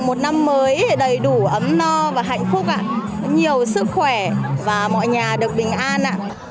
một năm mới đầy đủ ấm no và hạnh phúc ạ nhiều sức khỏe và mọi nhà được bình an